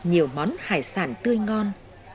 nhiều món hải sản tươi ngon